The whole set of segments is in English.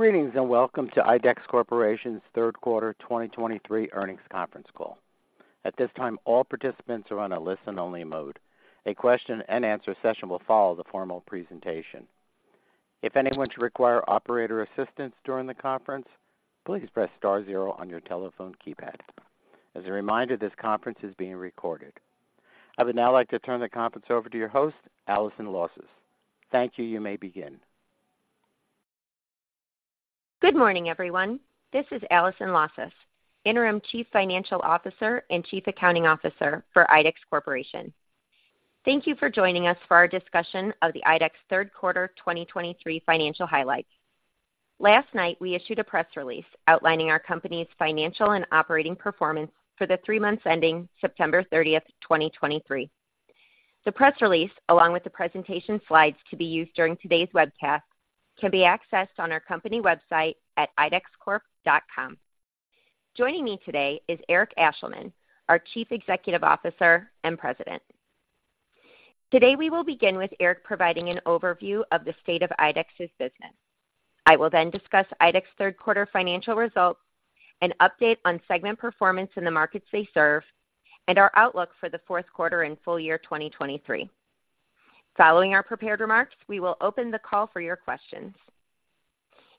Greetings, and welcome to IDEX Corporation's Q3 2023 Earnings Conference Call. At this time, all participants are on a listen-only mode. A question and answer session will follow the formal presentation. If anyone should require operator assistance during the conference, please press star zero on your telephone keypad. As a reminder, this conference is being recorded. I would now like to turn the conference over to your host, Allison Lausas. Thank you. You may begin. Good morning, everyone. This is Allison Lausas, Interim Chief Financial Officer and Chief Accounting Officer for IDEX Corporation. Thank you for joining us for our discussion of the IDEX Q3 2023 Financial Highlights. Last night, we issued a press release outlining our company's financial and operating performance for the three months ending September 30th, 2023. The press release, along with the presentation slides to be used during today's webcast, can be accessed on our company website at idexcorp.com. Joining me today is Eric Ashleman, our Chief Executive Officer and President. Today, we will begin with Eric providing an overview of the state of IDEX's business. I will then discuss IDEX Q3 financial results, an update on segment performance in the markets they serve, and our outlook for the Q4 and full year 2023. Following our prepared remarks, we will open the call for your questions.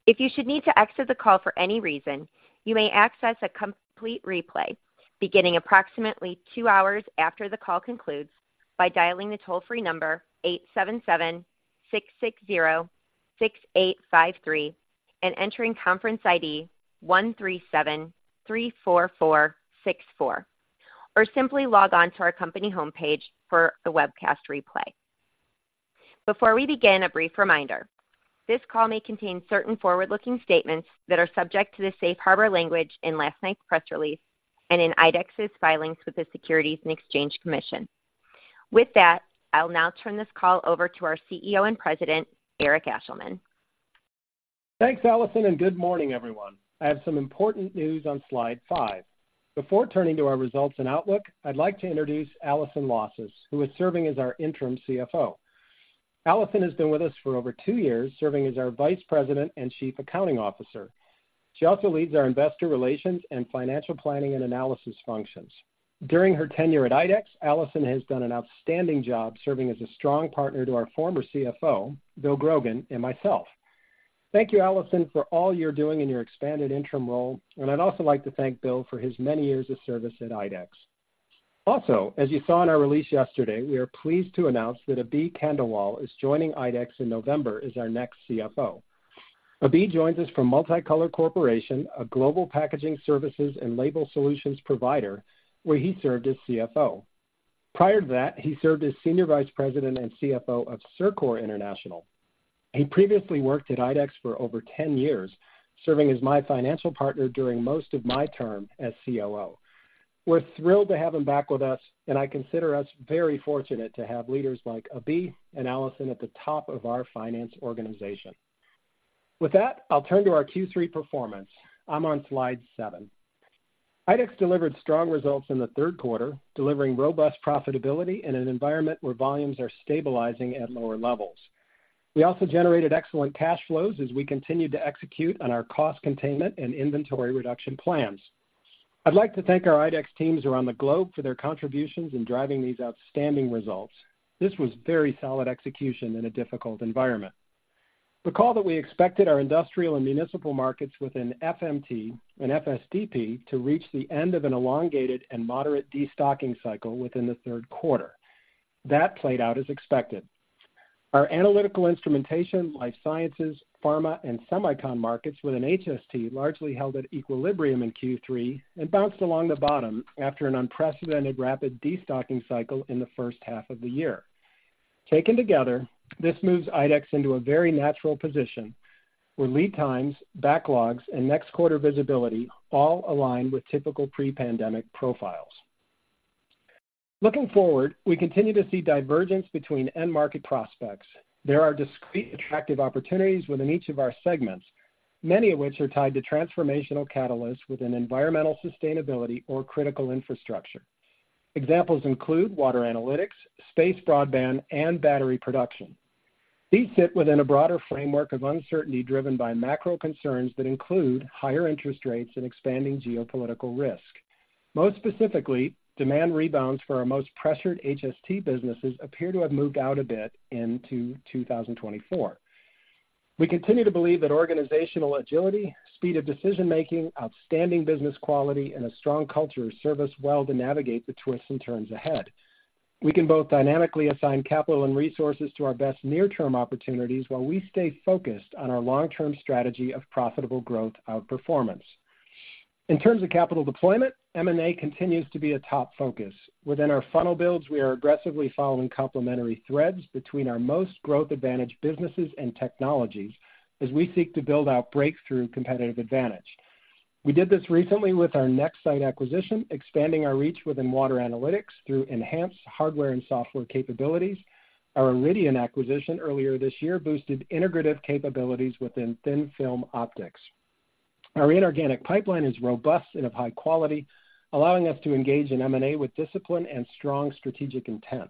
If you should need to exit the call for any reason, you may access a complete replay beginning approximately two hours after the call concludes by dialing the toll-free number 877-660-6853 and entering conference ID 13734464, or simply log on to our company homepage for the webcast replay. Before we begin, a brief reminder. This call may contain certain forward-looking statements that are subject to the safe harbor language in last night's press release and in IDEX's filings with the Securities and Exchange Commission. With that, I'll now turn this call over to our CEO and President, Eric Ashleman. Thanks, Allison, and good morning, everyone. I have some important news on slide five. Before turning to our results and outlook, I'd like to introduce Allison Lausas, who is serving as our interim CFO. Allison has been with us for over two years, serving as our Vice President and Chief Accounting Officer. She also leads our investor relations and financial planning and analysis functions. During her tenure at IDEX, Allison has done an outstanding job serving as a strong partner to our former CFO, Bill Grogan, and myself. Thank you, Allison, for all you're doing in your expanded interim role, and I'd also like to thank Bill for his many years of service at IDEX. Also, as you saw in our release yesterday, we are pleased to announce that Abhi Khandelwal is joining IDEX in November as our next CFO. Abhi joins us from Multi-Color Corporation, a global packaging services and label solutions provider, where he served as CFO. Prior to that, he served as Senior Vice President and CFO of CIRCOR International. He previously worked at IDEX for over 10 years, serving as my financial partner during most of my term as COO. We're thrilled to have him back with us, and I consider us very fortunate to have leaders like Abhi and Allison at the top of our finance organization. With that, I'll turn to our Q3 performance. I'm on slide seven. IDEX delivered strong results in the Q3, delivering robust profitability in an environment where volumes are stabilizing at lower levels. We also generated excellent cash flows as we continued to execute on our cost containment and inventory reduction plans. I'd like to thank our IDEX teams around the globe for their contributions in driving these outstanding results. This was very solid execution in a difficult environment. Recall that we expected our industrial and municipal markets within FMT and FSDP to reach the end of an elongated and moderate destocking cycle within the Q3. That played out as expected. Our analytical instrumentation, life sciences, pharma, and semicon markets within HST largely held at equilibrium in Q3 and bounced along the bottom after an unprecedented rapid destocking cycle in the H1 of the year. Taken together, this moves IDEX into a very natural position where lead times, backlogs, and next quarter visibility all align with typical pre-pandemic profiles. Looking forward, we continue to see divergence between end market prospects. There are discrete, attractive opportunities within each of our segments, many of which are tied to transformational catalysts within environmental sustainability or critical infrastructure. Examples include water analytics, space broadband, and battery production. These sit within a broader framework of uncertainty driven by macro concerns that include higher interest rates and expanding geopolitical risk. Most specifically, demand rebounds for our most pressured HST businesses appear to have moved out a bit into 2024. We continue to believe that organizational agility, speed of decision-making, outstanding business quality, and a strong culture serve us well to navigate the twists and turns ahead. We can both dynamically assign capital and resources to our best near-term opportunities, while we stay focused on our long-term strategy of profitable growth outperformance. In terms of capital deployment, M&A continues to be a top focus. Within our funnel builds, we are aggressively following complementary threads between our most growth-advantaged businesses and technologies as we seek to build out breakthrough competitive advantage. We did this recently with our Nexsight acquisition, expanding our reach within water analytics through enhanced hardware and software capabilities. Our Iridian acquisition earlier this year boosted integrative capabilities within thin-film optics. Our inorganic pipeline is robust and of high quality, allowing us to engage in M&A with discipline and strong strategic intent,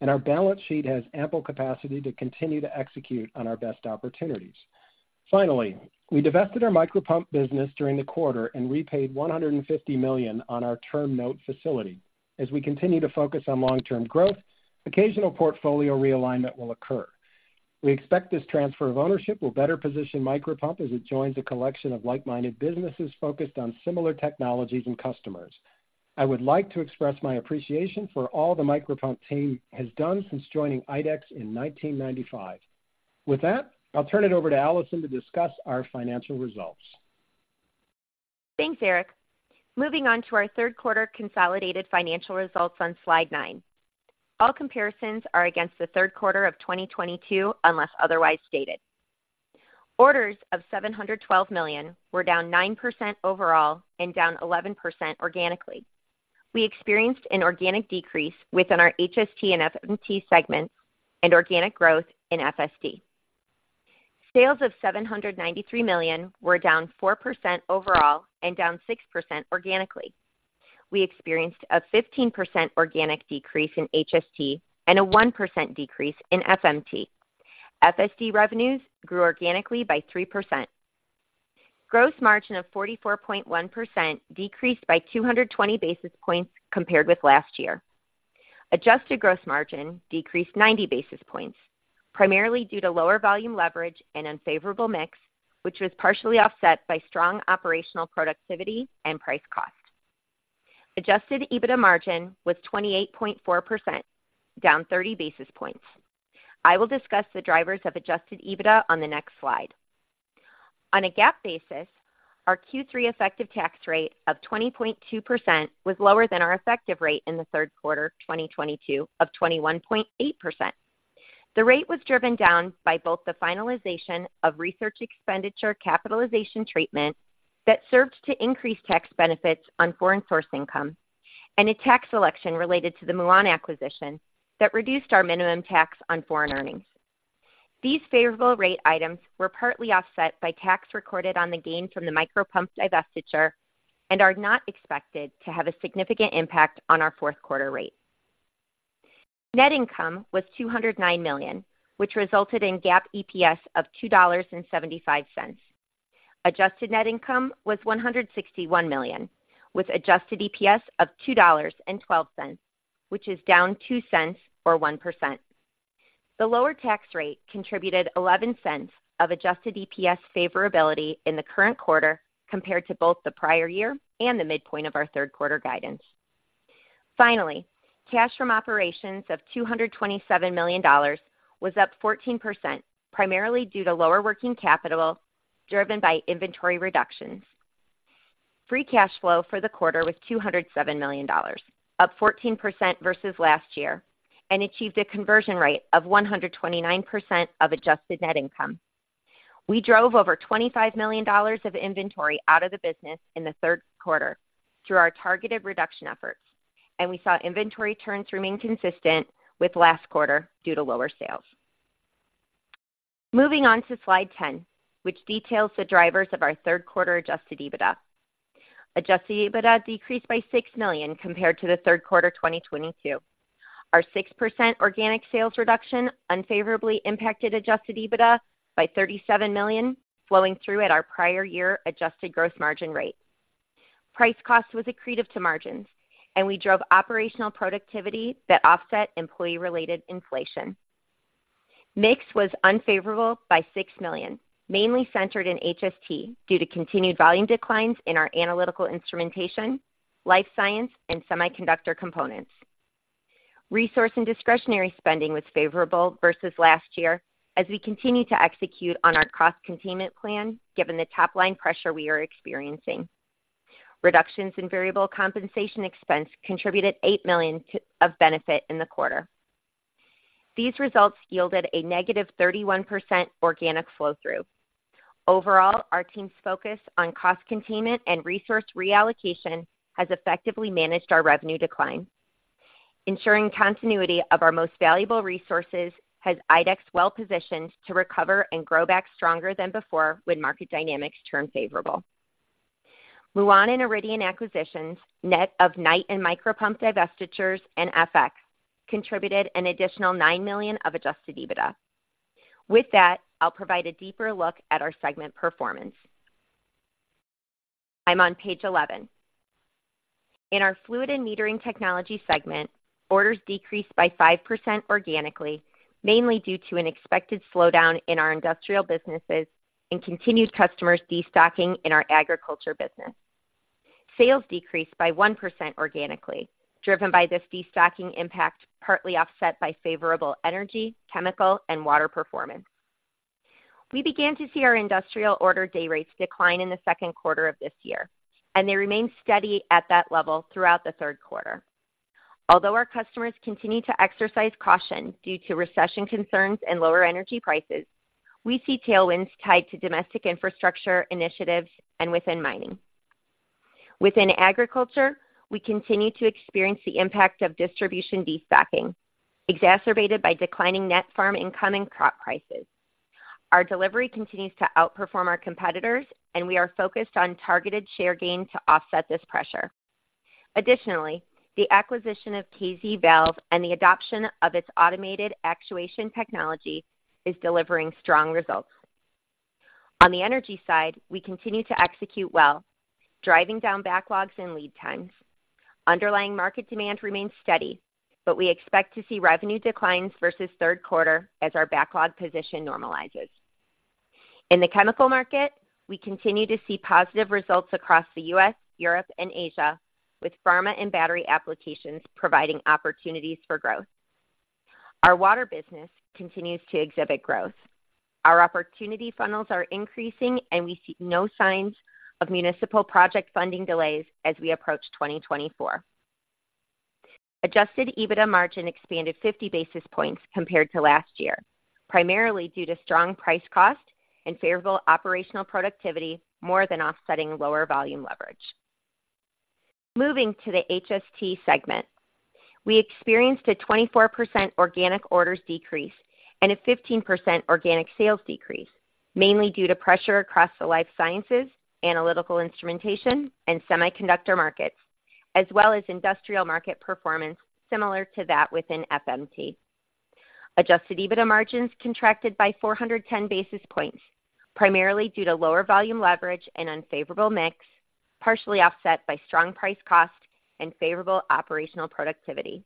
and our balance sheet has ample capacity to continue to execute on our best opportunities. Finally, we divested our Micropump business during the quarter and repaid $150 million on our term note facility. As we continue to focus on long-term growth, occasional portfolio realignment will occur. We expect this transfer of ownership will better position Micropump as it joins a collection of like-minded businesses focused on similar technologies and customers. I would like to express my appreciation for all the Micropump team has done since joining IDEX in 1995. With that, I'll turn it over to Allison to discuss our financial results. Thanks, Eric. Moving on to our Q3 consolidated financial results on slide nine. All comparisons are against the Q3 of 2022, unless otherwise stated. Orders of $712 million were down 9% overall and down 11% organically. We experienced an organic decrease within our HST and FMT segments and organic growth in FSD. Sales of $793 million were down 4% overall and down 6% organically. We experienced a 15% organic decrease in HST and a 1% decrease in FMT. FSD revenues grew organically by 3%. Gross margin of 44.1% decreased by 220 basis points compared with last year. Adjusted gross margin decreased 90 basis points, primarily due to lower volume leverage and unfavorable mix, which was partially offset by strong operational productivity and price cost. Adjusted EBITDA margin was 28.4%, down 30 basis points. I will discuss the drivers of adjusted EBITDA on the next slide. On a GAAP basis, our Q3 effective tax rate of 20.2% was lower than our effective rate in the Q3 of 2022 of 21.8%. The rate was driven down by both the finalization of research expenditure capitalization treatment that served to increase tax benefits on foreign source income, and a tax selection related to the Milan acquisition that reduced our minimum tax on foreign earnings. These favorable rate items were partly offset by tax recorded on the gain from the Micropump divestiture and are not expected to have a significant impact on our Q4 rate. Net income was $209 million, which resulted in GAAP EPS of $2.75. Adjusted net income was $161 million, with adjusted EPS of $2.12, which is down $0.02 or 1%. The lower tax rate contributed $0.11 of adjusted EPS favorability in the current quarter compared to both the prior year and the midpoint of our Q3 guidance. Finally, cash from operations of $227 million was up 14%, primarily due to lower working capital, driven by inventory reductions. Free cash flow for the quarter was $207 million, up 14% versus last year, and achieved a conversion rate of 129% of adjusted net income. We drove over $25 million of inventory out of the business in the Q3 through our targeted reduction efforts, and we saw inventory turns remain consistent with last quarter due to lower sales. Moving on to slide 10, which details the drivers of our Q3 adjusted EBITDA. Adjusted EBITDA decreased by $6 million compared to the Q3 of 2022. Our 6% organic sales reduction unfavorably impacted adjusted EBITDA by $37 million, flowing through at our prior year adjusted growth margin rate. Price cost was accretive to margins, and we drove operational productivity that offset employee-related inflation. Mix was unfavorable by $6 million, mainly centered in HST, due to continued volume declines in our analytical instrumentation, life science, and semiconductor components. Resource and discretionary spending was favorable versus last year as we continue to execute on our cost containment plan given the top-line pressure we are experiencing. Reductions in variable compensation expense contributed $8 million of benefit in the quarter. These results yielded a negative 31% organic flow-through. Overall, our team's focus on cost containment and resource reallocation has effectively managed our revenue decline. Ensuring continuity of our most valuable resources has IDEX well-positioned to recover and grow back stronger than before when market dynamics turn favorable. Muon and Iridian acquisitions, net of Knight and Micropump divestitures and FX, contributed an additional $9 million of Adjusted EBITDA. With that, I'll provide a deeper look at our segment performance. I'm on page 11. In our fluid and metering technology segment, orders decreased by 5% organically, mainly due to an expected slowdown in our industrial businesses and continued customers destocking in our agriculture business. Sales decreased by 1% organically, driven by this destocking impact, partly offset by favorable energy, chemical, and water performance. We began to see our industrial order day rates decline in the Q2 of this year, and they remained steady at that level throughout the Q3. Although our customers continue to exercise caution due to recession concerns and lower energy prices, we see tailwinds tied to domestic infrastructure initiatives and within mining. Within agriculture, we continue to experience the impact of distribution destocking, exacerbated by declining net farm income and crop prices. Our delivery continues to outperform our competitors, and we are focused on targeted share gain to offset this pressure. Additionally, the acquisition of KZValve and the adoption of its automated actuation technology is delivering strong results. On the energy side, we continue to execute well, driving down backlogs and lead times. Underlying market demand remains steady, but we expect to see revenue declines versus Q3 as our backlog position normalizes. In the chemical market, we continue to see positive results across the U.S., Europe, and Asia, with pharma and battery applications providing opportunities for growth. Our water business continues to exhibit growth. Our opportunity funnels are increasing, and we see no signs of municipal project funding delays as we approach 2024. Adjusted EBITDA margin expanded 50 basis points compared to last year, primarily due to strong Price Cost and favorable operational productivity, more than offsetting lower volume leverage. Moving to the HST segment, we experienced a 24% organic orders decrease and a 15% organic sales decrease, mainly due to pressure across the life sciences, analytical instrumentation, and semiconductor markets, as well as industrial market performance similar to that within FMT. Adjusted EBITDA margins contracted by 410 basis points, primarily due to lower volume leverage and unfavorable mix, partially offset by strong price cost and favorable operational productivity.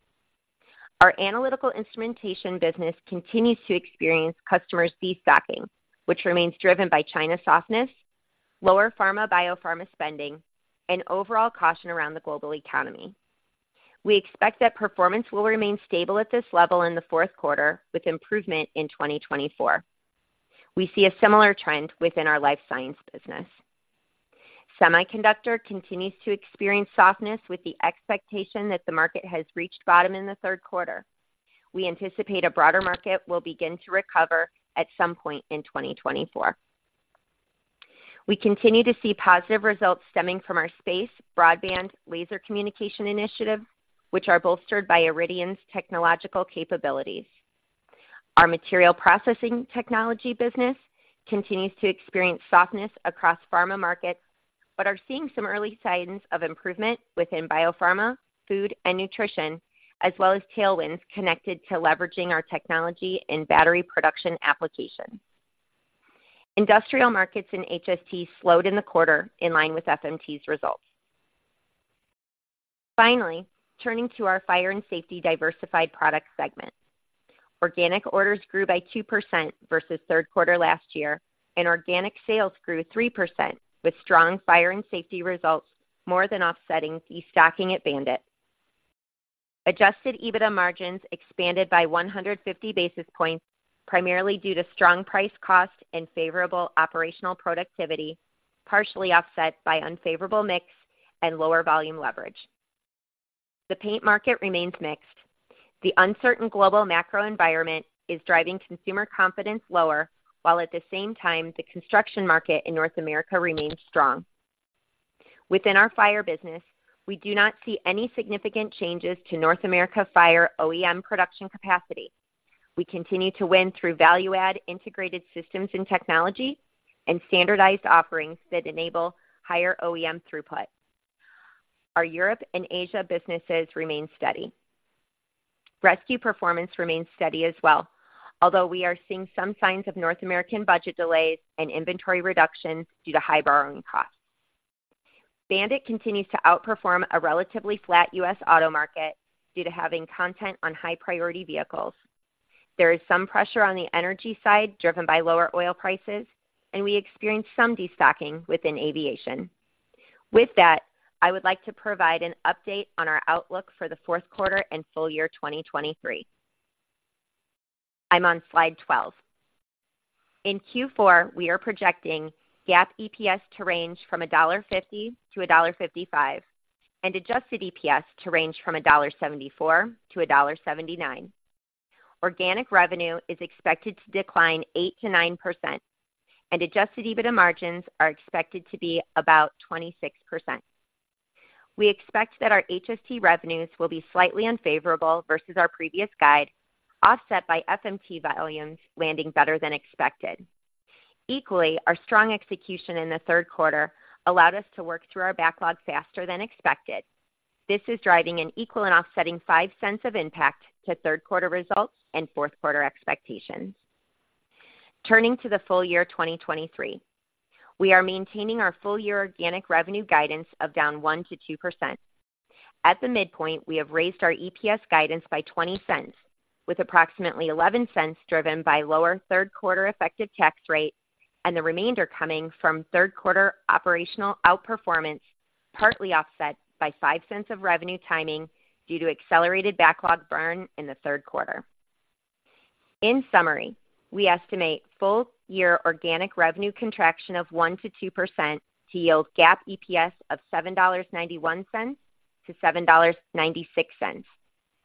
Our analytical instrumentation business continues to experience customers destocking, which remains driven by China softness, lower pharma/biopharma spending, and overall caution around the global economy. We expect that performance will remain stable at this level in the Q4 with improvement in 2024. We see a similar trend within our life science business. Semiconductor continues to experience softness with the expectation that the market has reached bottom in the Q3. We anticipate a broader market will begin to recover at some point in 2024. We continue to see positive results stemming from our Space Broadband Laser Communication initiative, which are bolstered by Iridian's technological capabilities. Our material processing technology business continues to experience softness across pharma markets, but are seeing some early signs of improvement within biopharma, food and nutrition, as well as tailwinds connected to leveraging our technology in battery production applications. Industrial markets in HST slowed in the quarter in line with FMT's results. Finally, turning to our Fire and Safety Diversified Products segment. Organic orders grew by 2% versus Q3 last year, and organic sales grew 3%, with strong fire and safety results more than offsetting destocking at BAND-IT. Adjusted EBITDA margins expanded by 150 basis points, primarily due to strong price cost and favorable operational productivity, partially offset by unfavorable mix and lower volume leverage. The paint market remains mixed. The uncertain global macro environment is driving consumer confidence lower, while at the same time, the construction market in North America remains strong. Within our fire business, we do not see any significant changes to North America fire OEM production capacity. We continue to win through value-add integrated systems and technology and standardized offerings that enable higher OEM throughput. Our Europe and Asia businesses remain steady. Rescue performance remains steady as well, although we are seeing some signs of North American budget delays and inventory reductions due to high borrowing costs. BAND-IT continues to outperform a relatively flat U.S. auto market due to having content on high priority vehicles. There is some pressure on the energy side, driven by lower oil prices, and we experienced some destocking within aviation. With that, I would like to provide an update on our outlook for the Q4 and full year 2023. I'm on slide 12. In Q4, we are projecting GAAP EPS to range from $1.50-$1.55, and adjusted EPS to range from $1.74-$1.79. Organic revenue is expected to decline 8%-9%, and adjusted EBITDA margins are expected to be about 26%. We expect that our HST revenues will be slightly unfavorable versus our previous guide, offset by FMT volumes landing better than expected. Equally, our strong execution in the Q3 allowed us to work through our backlog faster than expected. This is driving an equal and offsetting $0.05 of impact to Q3 results and Q4 expectations. Turning to the full year 2023. We are maintaining our full year organic revenue guidance of down 1%-2%. At the midpoint, we have raised our EPS guidance by $0.20, with approximately $0.11 driven by lower Q3 effective tax rate and the remainder coming from Q3 operational outperformance, partly offset by $0.05 of revenue timing due to accelerated backlog burn in the Q3. In summary, we estimate full year organic revenue contraction of 1%-2% to yield GAAP EPS of $7.91-$7.96,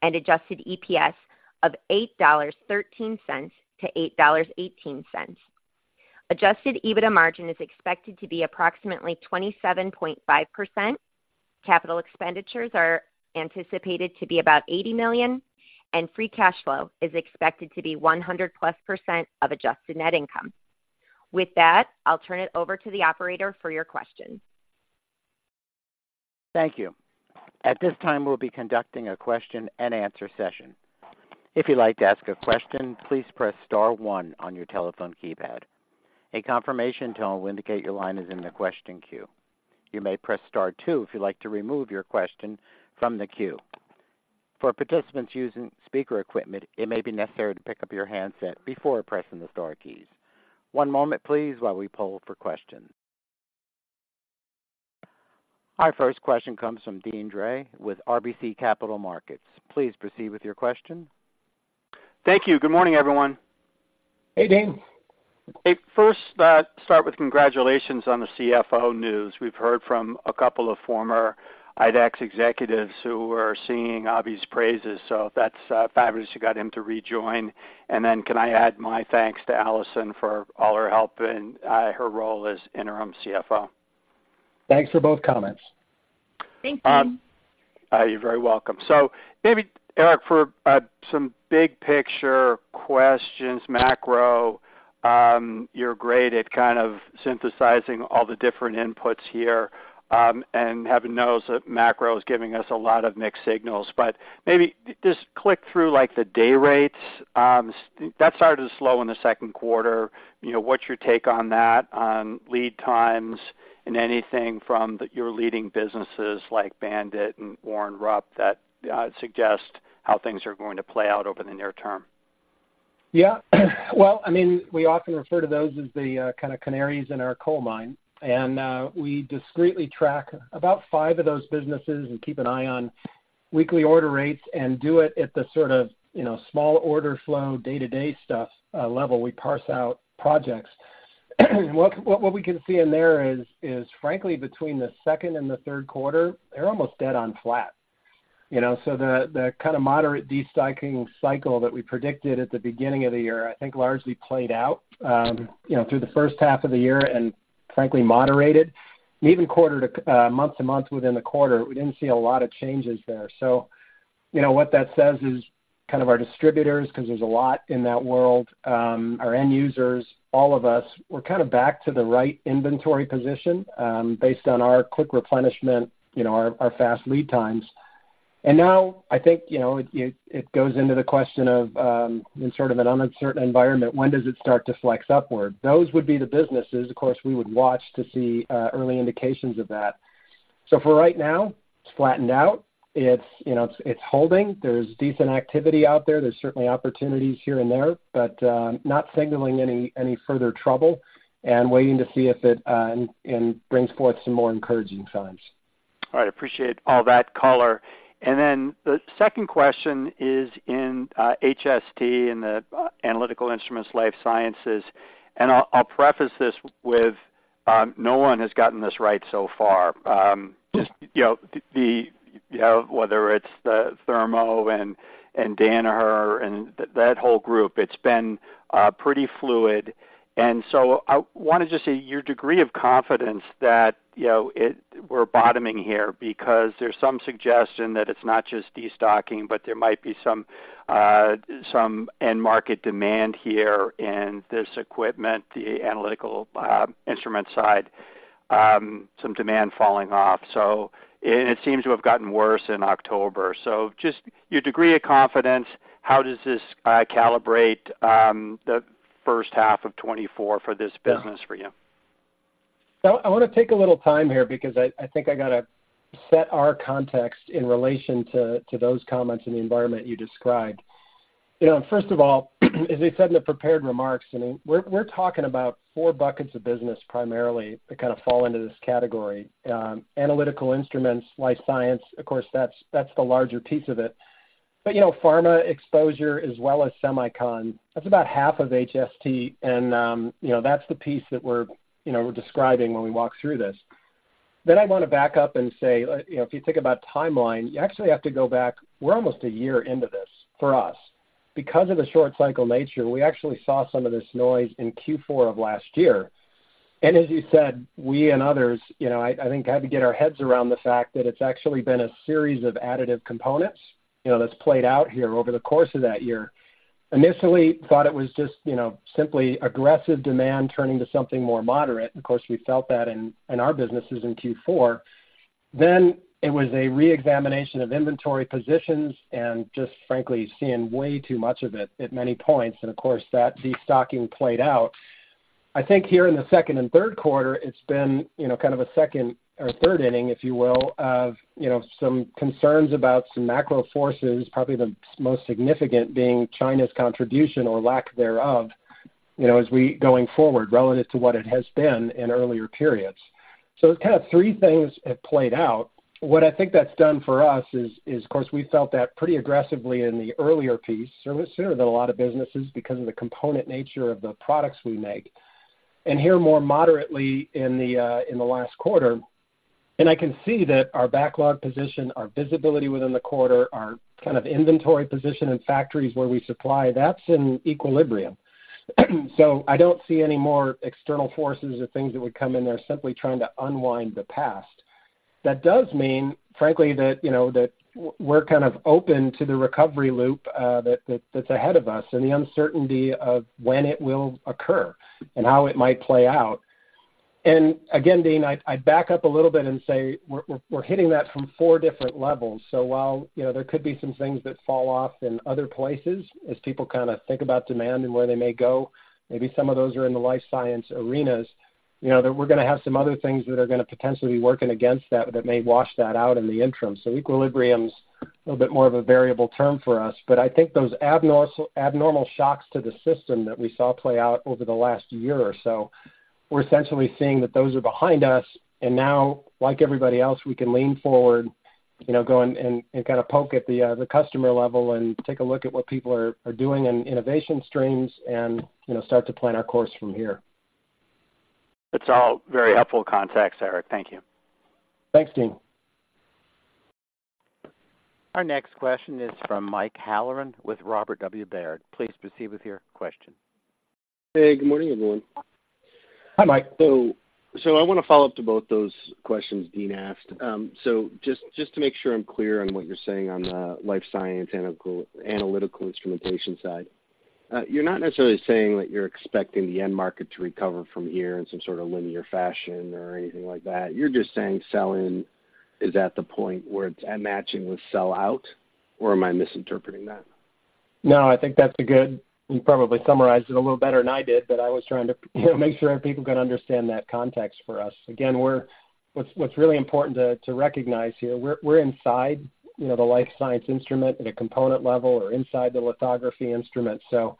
and adjusted EPS of $8.13-$8.18. Adjusted EBITDA margin is expected to be approximately 27.5%. Capital expenditures are anticipated to be about $80 million, and free cash flow is expected to be 100+% of adjusted net income. With that, I'll turn it over to the operator for your questions. Thank you. At this time, we'll be conducting a question-and-answer session. If you'd like to ask a question, please press star one on your telephone keypad. A confirmation tone will indicate your line is in the question queue. You may press star two if you'd like to remove your question from the queue. For participants using speaker equipment, it may be necessary to pick up your handset before pressing the star keys. One moment please, while we poll for questions. Our first question comes from Deane Dray with RBC Capital Markets. Please proceed with your question. Thank you. Good morning, everyone. Hey, Dean. Hey, first, start with congratulations on the CFO news. We've heard from a couple of former IDEX executives who are singing Abhi's praises, so that's fabulous you got him to rejoin. And then can I add my thanks to Allison for all her help and her role as interim CFO? Thanks for both comments. Thanks, Deane. You're very welcome. So maybe, Eric, for some big picture questions, Micro, you're great at kind of synthesizing all the different inputs here, and heaven knows that Micro is giving us a lot of mixed signals, but maybe just click through, like, the day rates. That started to slow in the Q2. You know, what's your take on that, on lead times and anything from your leading businesses like BAND-IT and Warren Rupp that suggest how things are going to play out over the near term? Yeah. Well, I mean, we often refer to those as the kind of canaries in our coal mine, and we discreetly track about five of those businesses and keep an eye on weekly order rates and do it at the sort of, you know, small order flow, day-to-day stuff level. We parse out projects. What we can see in there is frankly, between the Q2 and the Q3, they're almost dead on flat. You know, so the kind of moderate destocking cycle that we predicted at the beginning of the year, I think largely played out, you know, through the first half of the year and frankly, moderated. Even quarter to month to month within the quarter, we didn't see a lot of changes there. You know, what that says is kind of our distributors, 'cause there's a lot in that world, our end users, all of us, we're kind of back to the right inventory position, based on our quick replenishment, our fast lead times. Now, I think, you know, it goes into the question of, in sort of an uncertain environment, when does it start to flex upward? Those would be the businesses, of course, we would watch to see early indications of that. For right now, it's flattened out. It's holding. There's decent activity out there. There's certainly opportunities here and there, but not signaling any further trouble and waiting to see if it brings forth some more encouraging signs. All right, appreciate all that color. The second question is in HST, in the Analytical Instruments Life Sciences. I'll preface this with, no one has gotten this right so far. Just, you know, whether it's the Thermo and Danaher and that whole group, it's been pretty fluid. I want to just say your degree of confidence that, you know, we're bottoming here because there's some suggestion that it's not just destocking, but there might be some end-market demand here in this equipment, the analytical instrument side, some demand falling off. It seems to have gotten worse in October. Just your degree of confidence, how does this calibrate the H1 of 2024 for this business for you? So I want to take a little time here because I, I think I got to set our context in relation to, to those comments and the environment you described. You know, first of all, as I said in the prepared remarks, I mean, we're, we're talking about four buckets of business primarily, that kind of fall into this category. Analytical instruments, life science, of course, that's, that's the larger piece of it. But, you know, pharma exposure as well as semicon, that's about half of HST, and, you know, that's the piece that we're, you know, we're describing when we walk through this. Then I want to back up and say, you know, if you think about timeline, you actually have to go back. We're almost a year into this, for us. Because of the short cycle nature, we actually saw some of this noise in Q4 of last year. As you said, we and others, you know, I, I think, had to get our heads around the fact that it's actually been a series of additive components, you know, that's played out here over the course of that year. Initially, thought it was just, you know, simply aggressive demand turning to something more moderate. Of course, we felt that in, in our businesses in Q4. Then it was a reexamination of inventory positions and just frankly, seeing way too much of it at many points. And of course, that destocking played out. I think here in the Q2 and Q3, it's been, you know, kind of a second or third inning, if you will, of, you know, some concerns about some macro forces, probably the most significant being China's contribution or lack thereof, you know, as we going forward, relative to what it has been in earlier periods. So kind of three things have played out. What I think that's done for us is, of course, we felt that pretty aggressively in the earlier piece, sooner than a lot of businesses because of the component nature of the products we make. And here, more moderately in the last quarter. And I can see that our backlog position, our visibility within the quarter, our kind of inventory position in factories where we supply, that's in equilibrium. So I don't see any more external forces or things that would come in there, simply trying to unwind the past. That does mean, frankly, that, you know, that we're kind of open to the recovery loop, that, that's ahead of us and the uncertainty of when it will occur and how it might play out. And again, Deane, I back up a little bit and say we're hitting that from four different levels. So while, you know, there could be some things that fall off in other places as people kind of think about demand and where they may go, maybe some of those are in the life science arenas, you know, that we're gonna have some other things that are gonna potentially be working against that, that may wash that out in the interim. So equilibrium's a little bit more of a variable term for us. But I think those abnormal shocks to the system that we saw play out over the last year or so, we're essentially seeing that those are behind us, and now, like everybody else, we can lean forward, you know, go and kind of poke at the customer level and take a look at what people are doing in innovation streams and, you know, start to plan our course from here. It's all very helpful context, Eric. Thank you. Thanks, Deane. Our next question is from Mike Halloran with Robert W. Baird. Please proceed with your question. Hey, good morning, everyone. Hi, Mike. So I want to follow up to both those questions Deane asked. So just to make sure I'm clear on what you're saying on the life science analytical instrumentation side, you're not necessarily saying that you're expecting the end market to recover from here in some sort of linear fashion or anything like that. You're just saying sell-in is at the point where it's matching with sell out, or am I misinterpreting that? No, I think that's a good—you probably summarized it a little better than I did, but I was trying to, you know, make sure people could understand that context for us. Again, we're—what's, what's really important to, to recognize here, we're, we're inside, you know, the life science instrument at a component level or inside the lithography instrument. So,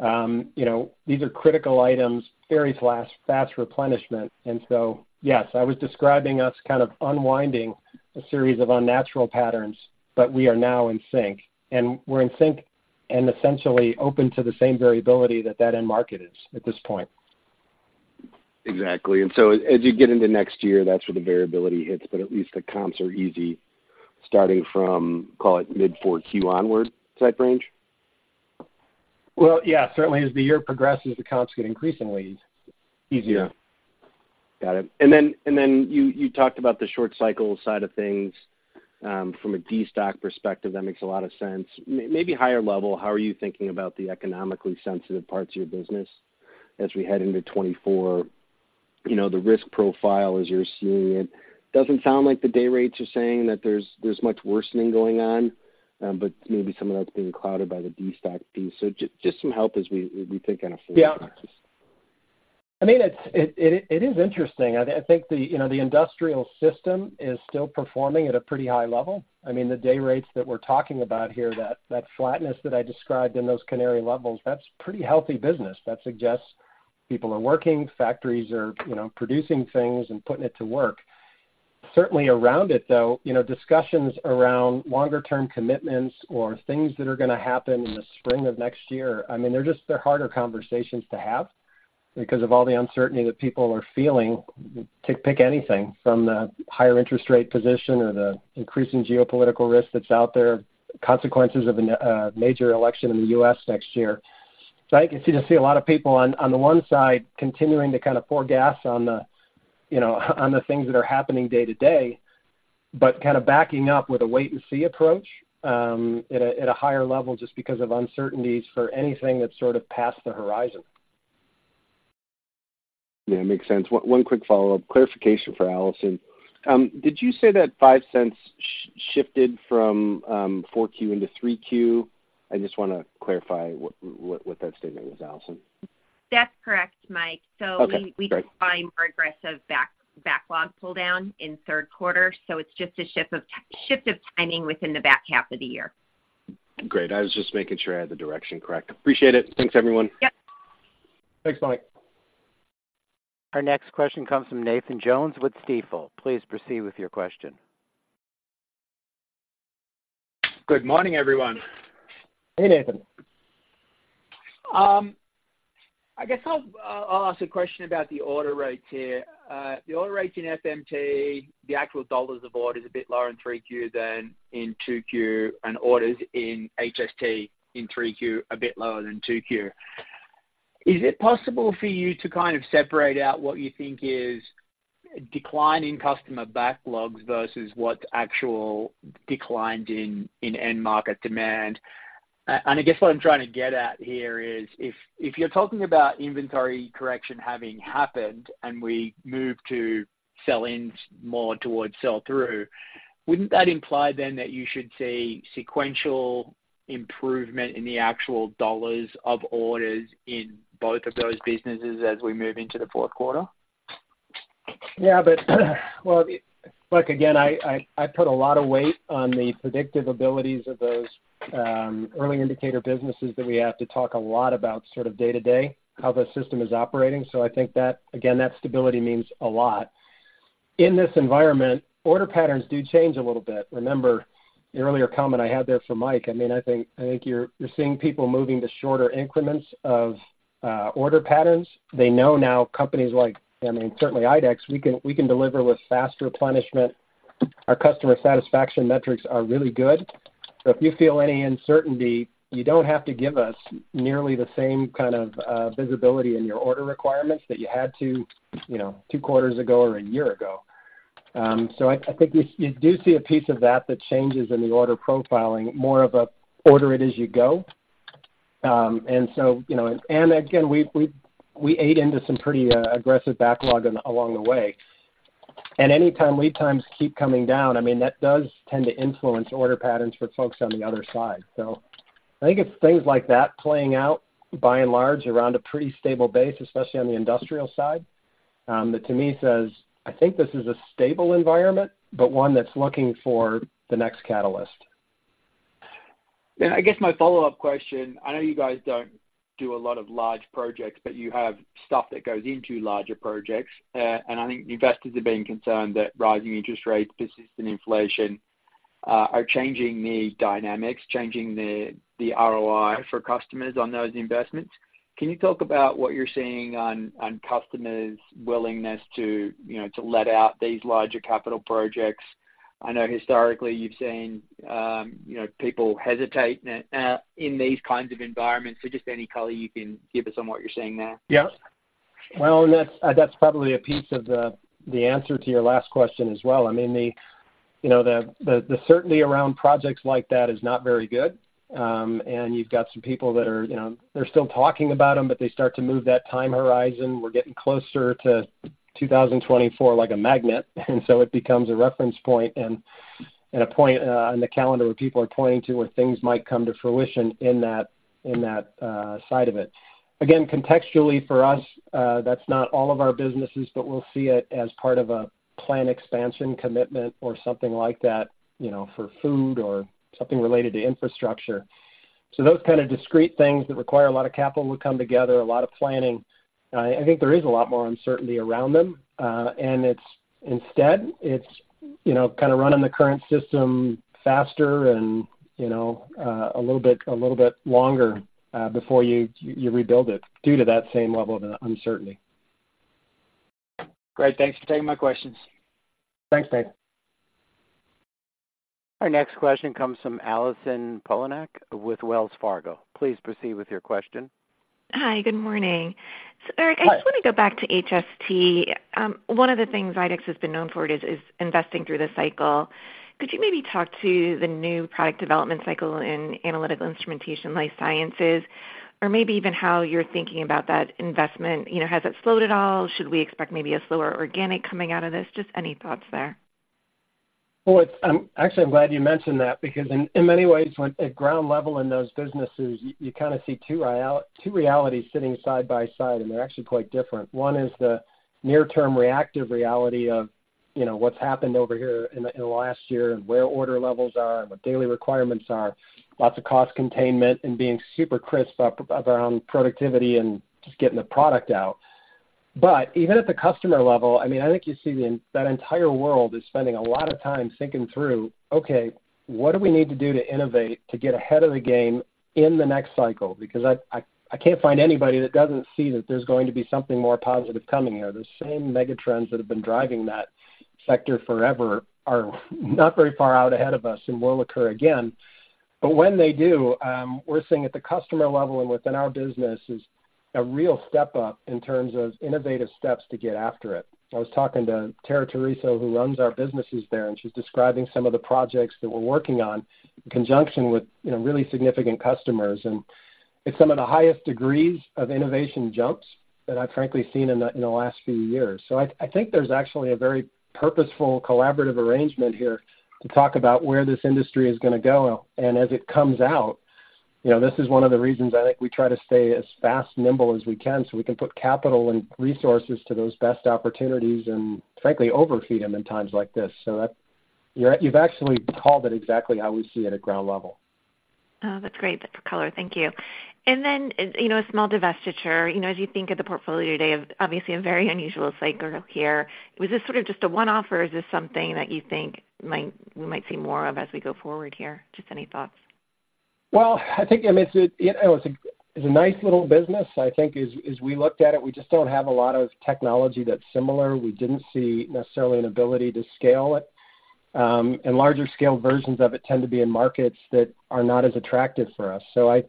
you know, these are critical items, very fast, fast replenishment. And so, yes, I was describing us kind of unwinding a series of unnatural patterns, but we are now in sync, and we're in sync and essentially open to the same variability that that end market is at this point. Exactly. And so as you get into next year, that's where the variability hits, but at least the comps are easy, starting from, call it, mid-4Q onward type range? Well, yeah, certainly as the year progresses, the comps get increasingly easier. Yeah. Got it. And then, and then you, you talked about the short cycle side of things. From a destock perspective, that makes a lot of sense. Maybe higher level, how are you thinking about the economically sensitive parts of your business as we head into 2024? You know, the risk profile as you're seeing it. Doesn't sound like the day rates are saying that there's, there's much worsening going on, but maybe some of that's being clouded by the destock piece. So just some help as we, we think on a forward basis. Yeah. I mean, it's interesting. I think, you know, the industrial system is still performing at a pretty high level. I mean, the day rates that we're talking about here, that flatness that I described in those canary levels, that's pretty healthy business. That suggests people are working, factories are, you know, producing things and putting it to work. Certainly around it, though, you know, discussions around longer-term commitments or things that are gonna happen in the spring of next year, I mean, they're just—they're harder conversations to have because of all the uncertainty that people are feeling. Pick anything from the higher interest rate position or the increasing geopolitical risk that's out there, consequences of a major election in the U.S. next year. So I can see a lot of people on the one side continuing to kind of pour gas on the, you know, on the things that are happening day to day, but kind of backing up with a wait and see approach, at a higher level just because of uncertainties for anything that's sort of past the horizon. Yeah, makes sense. One quick follow-up, clarification for Allison. Did you say that $0.05 shifted from 4Q into 3Q? I just wanna clarify what that statement was, Allison. That's correct, Mike. Okay, great. So we saw a more aggressive backlog pull down in Q3, so it's just a shift of timing within the back half of the year. Great. I was just making sure I had the direction correct. Appreciate it. Thanks, everyone. Yep. Thanks, Mike. Our next question comes from Nathan Jones with Stifel. Please proceed with your question. Good morning, everyone. Hey, Nathan. I guess I'll ask a question about the order rates here. The order rates in FMT, the actual dollars of order is a bit lower in 3Q than in 2Q, and orders in HST in 3Q, a bit lower than 2Q. Is it possible for you to kind of separate out what you think is decline in customer backlogs versus what actual declined in end market demand? And I guess what I'm trying to get at here is, if you're talking about inventory correction having happened and we move to sell-ins more towards sell-through, wouldn't that imply then that you should see sequential improvement in the actual dollars of orders in both of those businesses as we move into the Q4? Yeah, but, well, look, again, I put a lot of weight on the predictive abilities of those early indicator businesses that we have to talk a lot about, sort of day-to-day, how the system is operating. So I think that, again, that stability means a lot. In this environment, order patterns do change a little bit. Remember the earlier comment I had there from Mike. I mean, I think you're seeing people moving to shorter increments of order patterns. They know now companies like, I mean, certainly IDEX, we can deliver with fast replenishment. Our customer satisfaction metrics are really good. So if you feel any uncertainty, you don't have to give us nearly the same kind of visibility in your order requirements that you had to, you know, two quarters ago or a year ago. So I think you do see a piece of that, that changes in the order profiling, more of a order it as you go. And so, you know, and again, we ate into some pretty aggressive backlog along the way. And anytime lead times keep coming down, I mean, that does tend to influence order patterns for folks on the other side. So I think it's things like that playing out, by and large, around a pretty stable base, especially on the industrial side, that to me says, I think this is a stable environment, but one that's looking for the next catalyst. I guess my follow-up question, I know you guys don't do a lot of large projects, but you have stuff that goes into larger projects. I think investors are being concerned that rising interest rates, persistent inflation, are changing the dynamics, changing the, the ROI for customers on those investments. Can you talk about what you're seeing on, on customers' willingness to, you know, to let out these larger capital projects? I know historically you've seen, you know, people hesitate in, in these kinds of environments. Just any color you can give us on what you're seeing there. Yeah. Well, and that's, that's probably a piece of the, the answer to your last question as well. I mean, the, you know, the, the, the certainty around projects like that is not very good. And you've got some people that are, you know, they're still talking about them, but they start to move that time horizon. We're getting closer to 2024 like a magnet, and so it becomes a reference point and, and a point, on the calendar where people are pointing to where things might come to fruition in that, in that, side of it. Again, contextually for us, that's not all of our businesses, but we'll see it as part of a plan expansion commitment or something like that, you know, for food or something related to infrastructure. So those kind of discrete things that require a lot of capital would come together, a lot of planning. I think there is a lot more uncertainty around them, and it's instead, it's, you know, kind of running the current system faster and, you know, a little bit, a little bit longer, before you rebuild it due to that same level of uncertainty. Great. Thanks for taking my questions. Thanks, Nathan. Our next question comes from Allison Poliniak with Wells Fargo. Please proceed with your question. Hi, good morning. Hi. So, Eric, I just want to go back to HST. One of the things IDEX has been known for is investing through the cycle. Could you maybe talk to the new product development cycle in analytical instrumentation, life sciences, or maybe even how you're thinking about that investment? You know, has it slowed at all? Should we expect maybe a slower organic coming out of this? Just any thoughts there. Well, it's actually, I'm glad you mentioned that, because in many ways, when at ground level in those businesses, you kind of see two realities sitting side by side, and they're actually quite different. One is the near-term reactive reality of, you know, what's happened over here in the last year, and where order levels are and what daily requirements are, lots of cost containment and being super crisp around productivity and just getting the product out. But even at the customer level, I mean, I think you see that entire world is spending a lot of time thinking through, okay, what do we need to do to innovate, to get ahead of the game in the next cycle? Because I can't find anybody that doesn't see that there's going to be something more positive coming here. The same megatrends that have been driving that sector forever are not very far out ahead of us and will occur again. But when they do, we're seeing at the customer level and within our business is a real step up in terms of innovative steps to get after it. I was talking to Tara Tereso, who runs our businesses there, and she's describing some of the projects that we're working on in conjunction with, you know, really significant customers. And it's some of the highest degrees of innovation jumps that I've frankly seen in the last few years. So I think there's actually a very purposeful, collaborative arrangement here to talk about where this industry is gonna go. As it comes out, you know, this is one of the reasons I think we try to stay as fast and nimble as we can, so we can put capital and resources to those best opportunities and frankly, overfeed them in times like this. So that. You've actually called it exactly how we see it at ground level. Oh, that's great. That's a color. Thank you. Then, you know, a small divestiture, you know, as you think of the portfolio today, of obviously a very unusual cycle here, was this sort of just a one-off or is this something that you think might, we might see more of as we go forward here? Just any thoughts. Well, I think, I mean, it's, you know, it's a nice little business. I think as we looked at it, we just don't have a lot of technology that's similar. We didn't see necessarily an ability to scale it. And larger scale versions of it tend to be in markets that are not as attractive for us. So I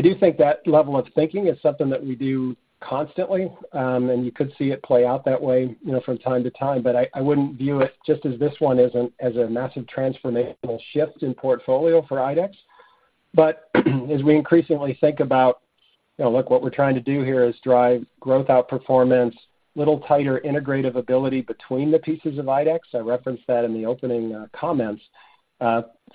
do think that level of thinking is something that we do constantly, and you could see it play out that way, you know, from time to time. But I wouldn't view it just as this one as a massive transformational shift in portfolio for IDEX. But as we increasingly think about, you know, look, what we're trying to do here is drive growth outperformance, a little tighter integrative ability between the pieces of IDEX. I referenced that in the opening comments.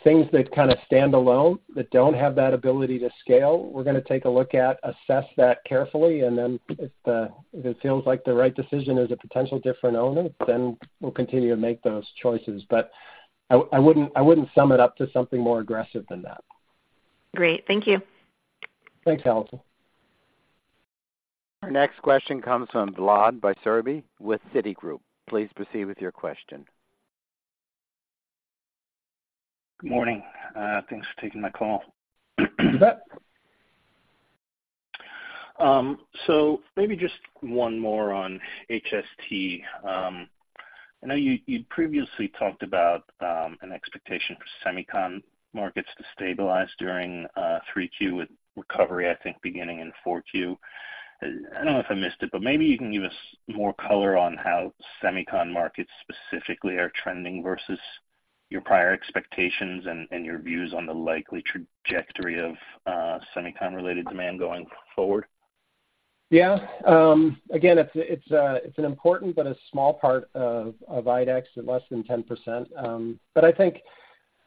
Things that kind of stand alone, that don't have that ability to scale, we're gonna take a look at, assess that carefully, and then if it feels like the right decision is a potential different owner, then we'll continue to make those choices. But I wouldn't sum it up to something more aggressive than that. Great. Thank you. Thanks, Allison. Our next question comes from Vlad Bystricky with Citigroup. Please proceed with your question. Good morning. Thanks for taking my call. So maybe just one more on HST. I know you, you previously talked about an expectation for semicon markets to stabilize during 3Q, with recovery, I think, beginning in 4Q. I don't know if I missed it, but maybe you can give us more color on how semicon markets specifically are trending versus your prior expectations and, and your views on the likely trajectory of semicon-related demand going forward. Yeah. Again, it's an important but a small part of IDEX, less than 10%.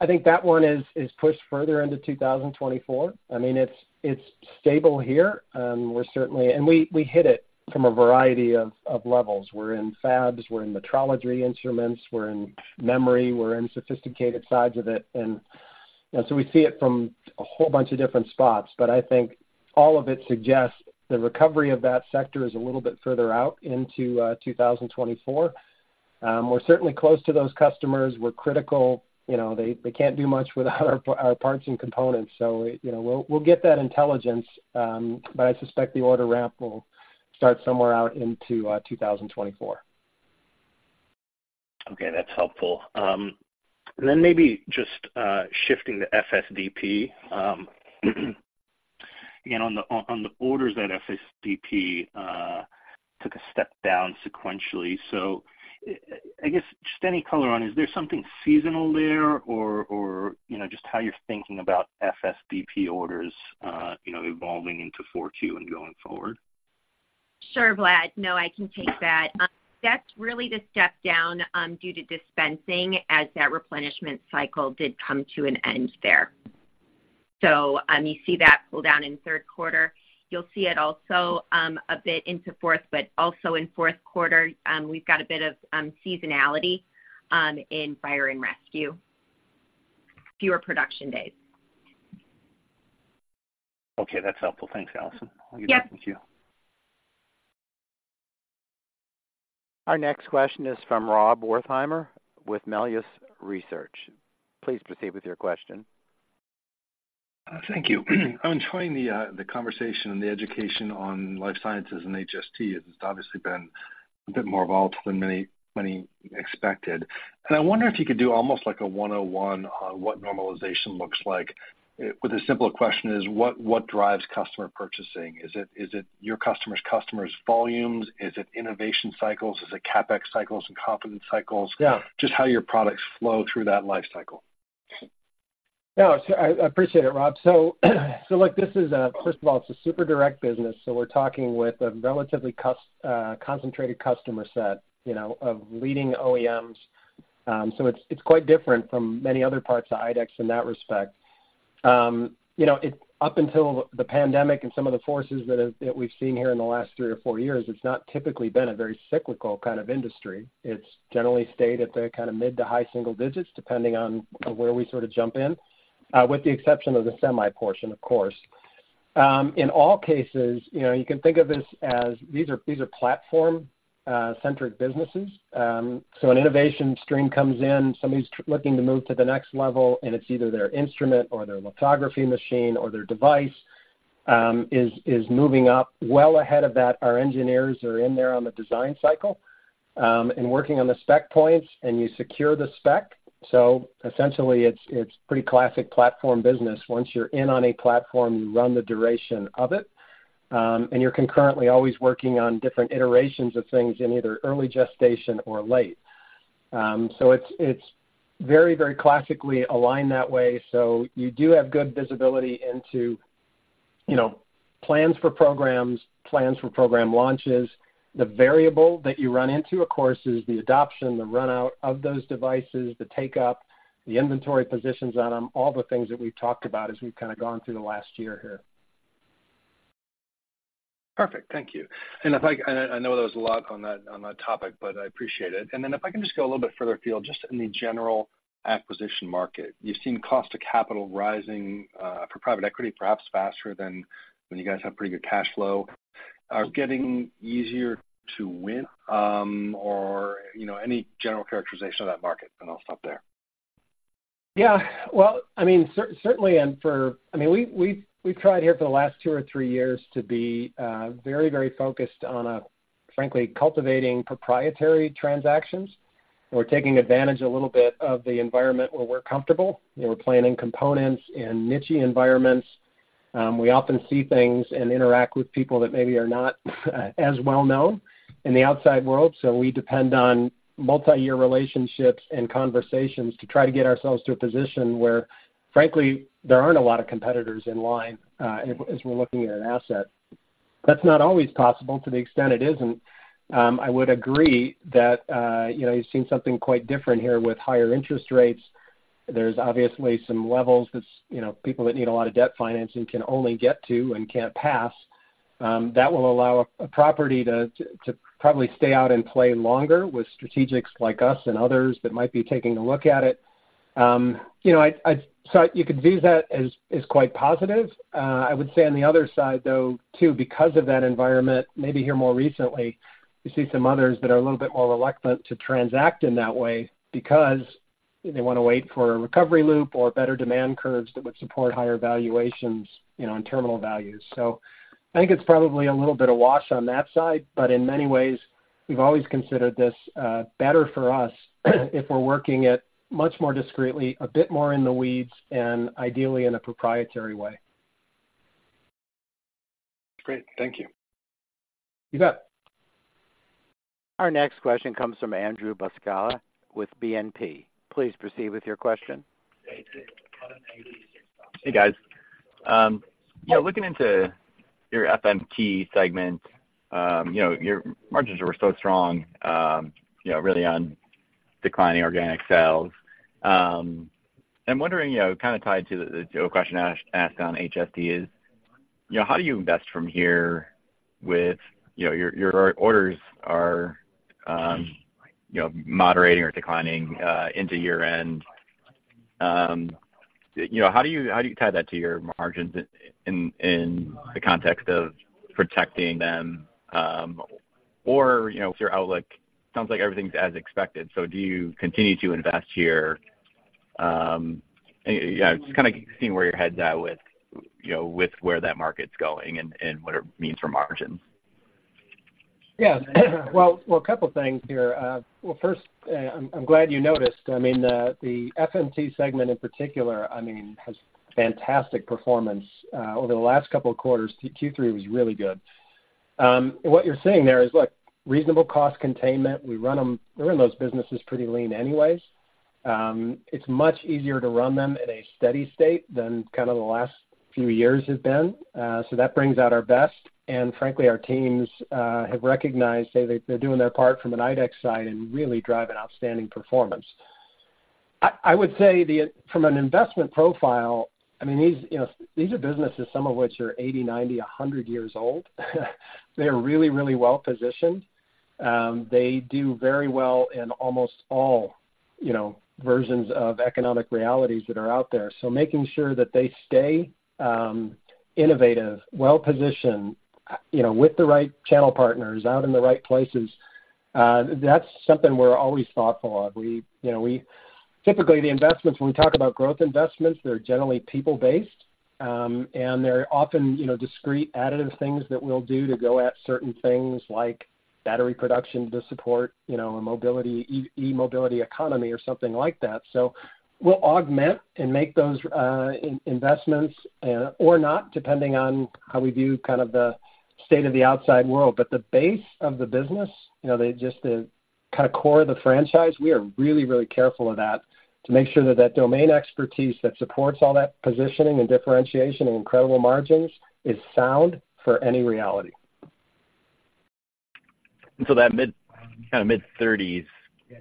I think that one is pushed further into 2024. I mean, it's stable here, and we're certainly—we hit it from a variety of levels. We're in fabs, we're in metrology instruments, we're in memory, we're in sophisticated sides of it, and, you know, so we see it from a whole bunch of different spots. I think all of it suggests the recovery of that sector is a little bit further out into 2024. We're certainly close to those customers. We're critical. You know, they can't do much without our parts and components. So, you know, we'll get that intelligence, but I suspect the order ramp will start somewhere out into 2024. Okay, that's helpful. And then maybe just shifting to FSDP. Again, on the orders that FSDP took a step down sequentially. So I guess just any color on, is there something seasonal there or you know, just how you're thinking about FSDP orders, you know, evolving into 4Q and going forward? Sure, Vlad. No, I can take that. That's really the step down due to dispensing as that replenishment cycle did come to an end there. So, you see that pull down in the Q3. You'll see it also a bit into fourth, but also in Q4, we've got a bit of seasonality in fire and rescue. Fewer production days. Okay, that's helpful. Thanks, Allison. Yep. Thank you. Our next question is from Rob Wertheimer with Melius Research. Please proceed with your question. Thank you. I'm enjoying the conversation and the education on life sciences and HST. It's obviously been a bit more volatile than many, many expected. I wonder if you could do almost like a one-on-one on what normalization looks like. A simpler question is, what drives customer purchasing? Is it your customer's customer's volumes? Is it innovation cycles? Is it CapEx cycles and competence cycles? Yeah. Just how your products flow through that life cycle. No, I appreciate it, Rob. So look, this is a, first of all, it's a super direct business, so we're talking with a relatively concentrated customer set, you know, of leading OEMs. So it's quite different from many other parts of IDEX in that respect. You know, it up until the pandemic and some of the forces that have, that we've seen here in the last three or four years, it's not typically been a very cyclical kind of industry. It's generally stayed at the kind of mid to high single digits, depending on where we sort of jump in, with the exception of the semi portion, of course. In all cases, you know, you can think of this as these are, these are platform centric businesses. So an innovation stream comes in, somebody's looking to move to the next level, and it's either their instrument or their lithography machine or their device, is moving up. Well ahead of that, our engineers are in there on the design cycle, and working on the spec points, and you secure the spec. So essentially, it's pretty classic platform business. Once you're in on a platform, you run the duration of it, and you're concurrently always working on different iterations of things in either early gestation or late. So it's very, very classically aligned that way. So you do have good visibility into, you know, plans for programs, plans for program launches. The variable that you run into, of course, is the adoption, the run out of those devices, the take up, the inventory positions on them, all the things that we've talked about as we've kind of gone through the last year here. Perfect. Thank you. And if I know there was a lot on that topic, but I appreciate it. And then if I can just go a little bit further afield, just in the general acquisition market, you've seen cost of capital rising for private equity, perhaps faster than when you guys have pretty good cash flow. Are getting easier to win, or, you know, any general characterization of that market, and I'll stop there. Yeah, well, I mean, certainly, and for—I mean, we've tried here for the last two or three years to be very, very focused on, frankly, cultivating proprietary transactions. We're taking advantage a little bit of the environment where we're comfortable. We're playing in components and nichey environments. We often see things and interact with people that maybe are not as well known in the outside world. So we depend on multi-year relationships and conversations to try to get ourselves to a position where, frankly, there aren't a lot of competitors in line as we're looking at an asset. That's not always possible to the extent it isn't. I would agree that, you know, you've seen something quite different here with higher interest rates. There's obviously some levels that, you know, people that need a lot of debt financing can only get to and can't pass. That will allow a property to probably stay out and play longer with strategics like us and others that might be taking a look at it. You know, so you could view that as quite positive. I would say on the other side, though, too, because of that environment, maybe here more recently, you see some others that are a little bit more reluctant to transact in that way because they want to wait for a recovery loop or better demand curves that would support higher valuations, you know, on terminal values. So I think it's probably a little bit of wash on that side, but in many ways, we've always considered this, better for us, if we're working it much more discreetly, a bit more in the weeds, and ideally in a proprietary way. Great. Thank you. You bet. Our next question comes from Andrew Buscaglia with BNP. Please proceed with your question. Hey, guys. You know, looking into your FMT segment, you know, your margins were so strong, you know, really on declining organic sales. I'm wondering, you know, kind of tied to the question asked on HST is, you know, how do you invest from here with, you know, your, your orders are, you know, moderating or declining into year-end. You know, how do you, how do you tie that to your margins in, in the context of protecting them? Or, you know, if your outlook sounds like everything's as expected, so do you continue to invest here? Yeah, just kind of seeing where your head's at with, you know, with where that market's going and, and what it means for margins. Yes. Well, a couple of things here. First, I'm glad you noticed. I mean, the FMT segment in particular has fantastic performance. Over the last couple of quarters, Q3 was really good. What you're seeing there is, look, reasonable cost containment. We run them, we run those businesses pretty lean anyways. It's much easier to run them at a steady state than kind of the last few years have been, so that brings out our best. And frankly, our teams have recognized they're doing their part from an IDEX side and really drive an outstanding performance. I would say from an investment profile, I mean, these, you know, these are businesses, some of which are 80, 90, 100 years old. They're really, really well positioned. They do very well in almost all, you know, versions of economic realities that are out there. So making sure that they stay innovative, well-positioned, you know, with the right channel partners, out in the right places, that's something we're always thoughtful of. We, you know, typically, the investments, when we talk about growth investments, they're generally people-based, and they're often, you know, discrete, additive things that we'll do to go at certain things like battery production to support, you know, a mobility, e-mobility economy or something like that. So we'll augment and make those investments, or not, depending on how we view kind of the state of the outside world. But the base of the business, you know, it's just the kind of core of the franchise; we are really, really careful of that to make sure that that domain expertise that supports all that positioning and differentiation and incredible margins is sound for any reality. So that mid, kind of mid-30s, you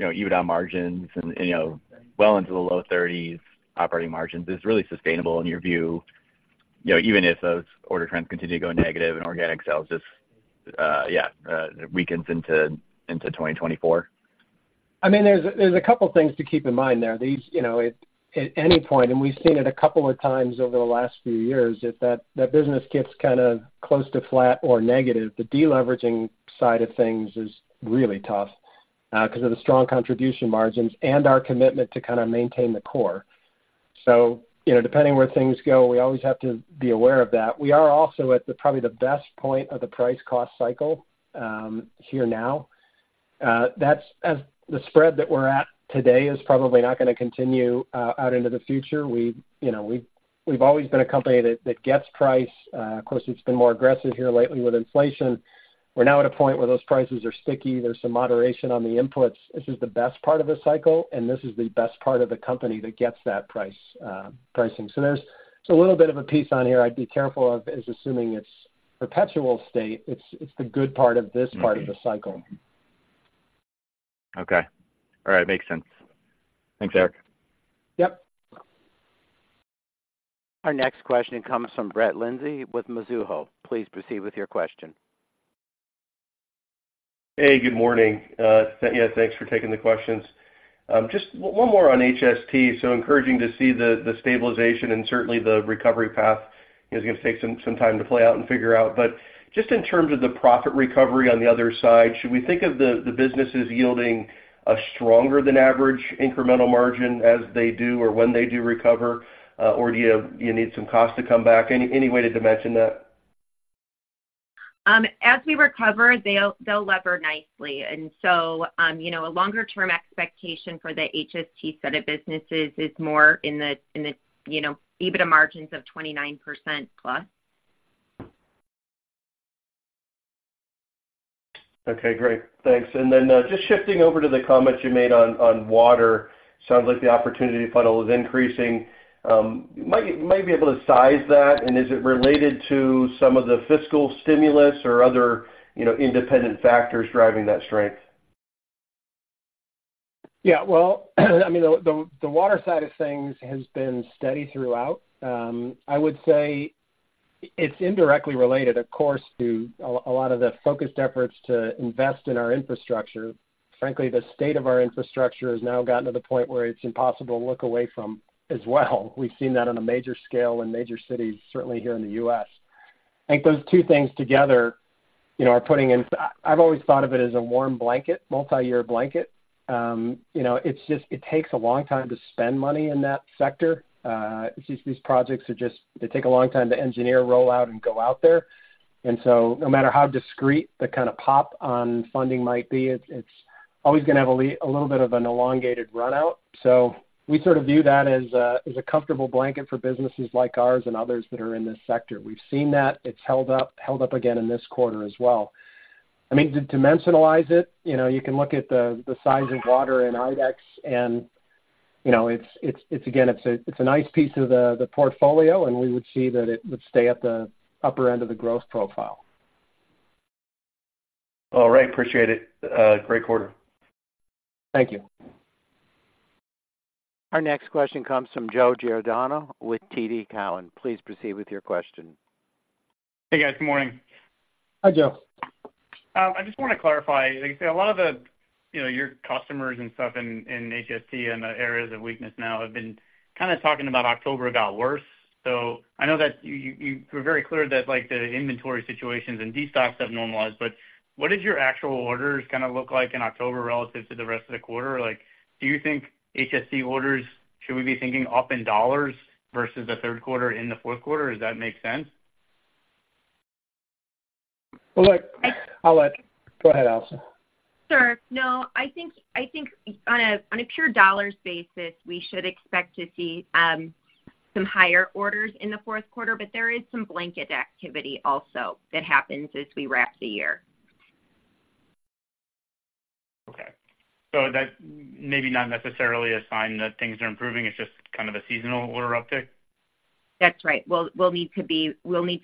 know, EBITDA margins and, you know, well into the low 30s operating margins is really sustainable in your view, you know, even if those order trends continue to go negative and organic sales just weakens into 2024? I mean, there's a couple things to keep in mind there. These, you know, at any point, and we've seen it a couple of times over the last few years, if that business gets kind of close to flat or negative, the deleveraging side of things is really tough, because of the strong contribution margins and our commitment to kind of maintain the core. So, you know, depending where things go, we always have to be aware of that. We are also at, probably the best point of the price-cost cycle, here now. That's as the spread that we're at today is probably not going to continue out into the future. We, you know, we've always been a company that gets price. Of course, it's been more aggressive here lately with inflation. We're now at a point where those prices are sticky. There's some moderation on the inputs. This is the best part of the cycle, and this is the best part of the company that gets that price, pricing. So there's a little bit of a piece on here I'd be careful of, is assuming it's perpetual state. It's, it's the good part of this part of the cycle. Okay. All right. Makes sense. Thanks, Eric. Yep. Our next question comes from Brett Linzey with Mizuho. Please proceed with your question. Hey, good morning. Yeah, thanks for taking the questions. Just one more on HST. So encouraging to see the stabilization and certainly the recovery path is going to take some time to play out and figure out. But just in terms of the profit recovery on the other side, should we think of the business as yielding a stronger than average incremental margin as they do or when they do recover? Or do you need some cost to come back? Any way to dimension that? As we recover, they'll still lever nicely. And so, you know, a longer-term expectation for the HST set of businesses is more in the you know, EBITDA margins of 29% plus. Okay, great. Thanks. And then, just shifting over to the comments you made on water. Sounds like the opportunity funnel is increasing. Might be able to size that, and is it related to some of the fiscal stimulus or other, you know, independent factors driving that strength? Yeah, well, I mean, the water side of things has been steady throughout. I would say it's indirectly related, of course, to a lot of the focused efforts to invest in our infrastructure. Frankly, the state of our infrastructure has now gotten to the point where it's impossible to look away from as well. We've seen that on a major scale in major cities, certainly here in the U.S. I think those two things together, you know, are putting in. I've always thought of it as a warm blanket, multi-year blanket. You know, it's just, it takes a long time to spend money in that sector. It's just these projects are just. They take a long time to engineer, roll out, and go out there. And so no matter how discrete the kind of pop on funding might be, it's, it's always gonna have a little bit of an elongated run out. So we sort of view that as a, as a comfortable blanket for businesses like ours and others that are in this sector. We've seen that. It's held up, held up again in this quarter as well. I mean, to, to dimensionalize it, you know, you can look at the, the size of Water and IDEX, and, you know, it's, it's, again, it's a, it's a nice piece of the, the portfolio, and we would see that it would stay at the upper end of the growth profile. All right. Appreciate it. Great quarter. Thank you. Our next question comes from Joe Giordano with TD Cowen. Please proceed with your question. Hey, guys. Good morning. Hi, Joe. I just want to clarify, like you say, a lot of the, you know, your customers and stuff in HST and the areas of weakness now have been kind of talking about October got worse. So I know that you were very clear that, like, the inventory situations and destocks have normalized, but what does your actual orders kind of look like in October relative to the rest of the quarter? Like, do you think HST orders, should we be thinking up in dollars versus the Q3 in the Q4? Does that make sense? Well, look, I'll let... Go ahead, Allison. Sure. No, I think on a pure dollars basis, we should expect to see some higher orders in the Q4, but there is some blanket activity also that happens as we wrap the year. Okay, so that may be not necessarily a sign that things are improving, it's just kind of a seasonal order uptick? That's right. We'll need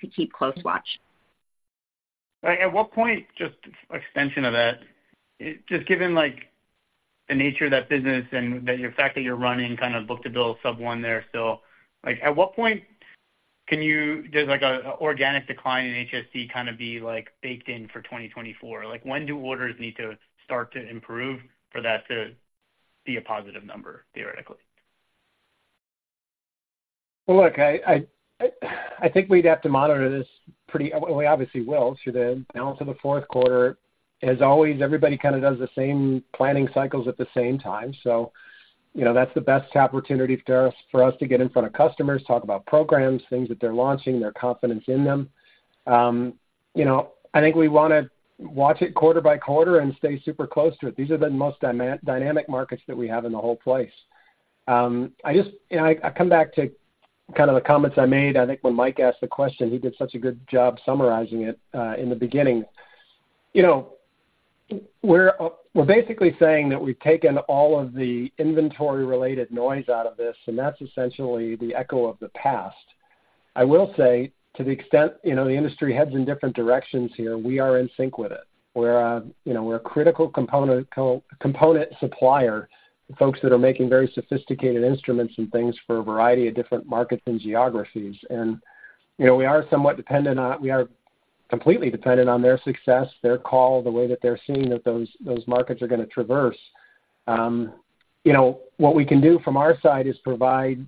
to keep close watch. At what point, just extension of that, just given, like, the nature of that business and the fact that you're running kind of book-to-bill sub one there still, like, at what point does, like, a organic decline in HST kind of be, like, baked in for 2024? Like, when do orders need to start to improve for that to be a positive number, theoretically? Well, look, I think we'd have to monitor this pretty—we obviously will through the balance of the Q4. As always, everybody kind of does the same planning cycles at the same time, so, you know, that's the best opportunity for us, for us to get in front of customers, talk about programs, things that they're launching, their confidence in them. You know, I think we want to watch it quarter by quarter and stay super close to it. These are the most dynamic markets that we have in the whole place. I just, you know, I come back to kind of the comments I made, I think, when Mike asked the question. He did such a good job summarizing it, in the beginning. You know, we're, we're basically saying that we've taken all of the inventory-related noise out of this, and that's essentially the echo of the past. I will say, to the extent, you know, the industry heads in different directions here, we are in sync with it. We're a, you know, we're a critical component supplier to folks that are making very sophisticated instruments and things for a variety of different markets and geographies. And, you know, we are somewhat dependent on their success. We are completely dependent on their success, their call, the way that they're seeing that those, those markets are going to traverse. You know, what we can do from our side is provide,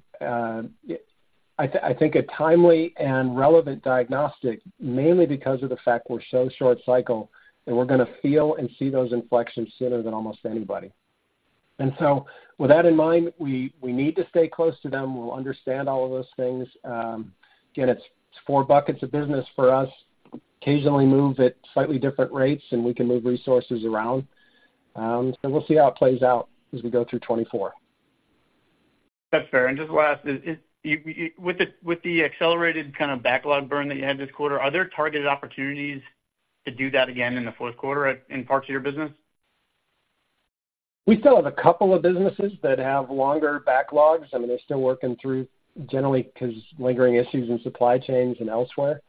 I think, a timely and relevant diagnostic, mainly because of the fact we're so short cycle, and we're going to feel and see those inflections sooner than almost anybody. And so with that in mind, we need to stay close to them. We'll understand all of those things. Again, it's four buckets of business for us, occasionally move at slightly different rates, and we can move resources around. But we'll see how it plays out as we go through 2024. That's fair. And just last, with the accelerated kind of backlog burn that you had this quarter, are there targeted opportunities to do that again in the Q4 in parts of your business? We still have a couple of businesses that have longer backlogs. I mean, they're still working through generally 'cause lingering issues in supply chains and elsewhere.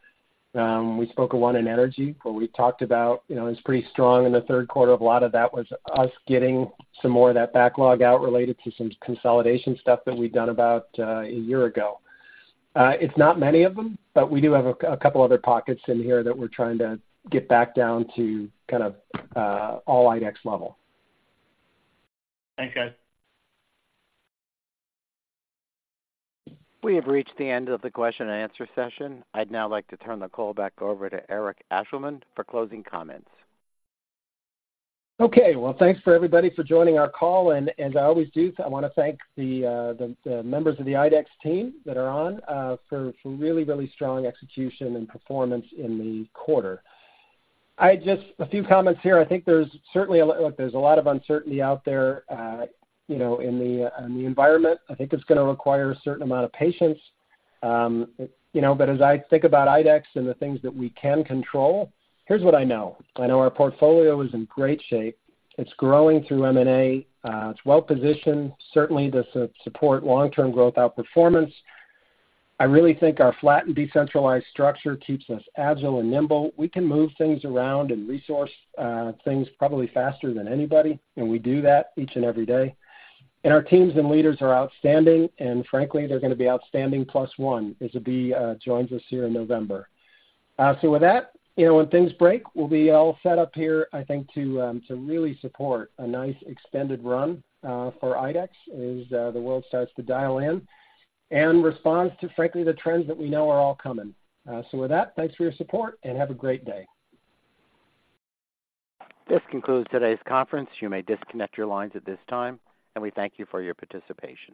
We spoke of one in energy, but we talked about, you know, it's pretty strong in the Q3. A lot of that was us getting some more of that backlog out related to some consolidation stuff that we've done about a year ago. It's not many of them, but we do have a couple other pockets in here that we're trying to get back down to kind of all IDEX level. Thanks, guys. We have reached the end of the question and answer session. I'd now like to turn the call back over to Eric Ashleman for closing comments. Okay. Well, thanks for everybody for joining our call, and I always do, I want to thank the members of the IDEX team that are on for really, really strong execution and performance in the quarter. A few comments here. I think there's certainly. Look, there's a lot of uncertainty out there, you know, in the environment. I think it's going to require a certain amount of patience. You know, but as I think about IDEX and the things that we can control, here's what I know. I know our portfolio is in great shape. It's growing through M&A. It's well-positioned, certainly to support long-term growth outperformance. I really think our flat and decentralized structure keeps us agile and nimble. We can move things around and resource things probably faster than anybody, and we do that each and every day. Our teams and leaders are outstanding, and frankly, they're going to be outstanding plus one, as Abhi joins us here in November. So with that, you know, when things break, we'll be all set up here, I think, to really support a nice extended run for IDEX, as the world starts to dial in and responds to, frankly, the trends that we know are all coming. So with that, thanks for your support, and have a great day. This concludes today's conference. You may disconnect your lines at this time, and we thank you for your participation.